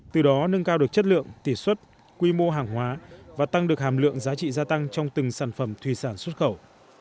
từ đó nâng cao được chất lượng tỉ xuất quy mô hàng hóa và tăng được hàm lượng giá trị gia tăng trong từng sản phẩm thủy sản xuất khẩu